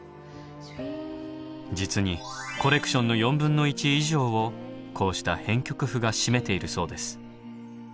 実にコレクションの４分の１以上をこうした編曲譜が占めているそうです。